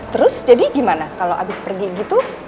eh terus jadi gimana kalo abis pergi gitu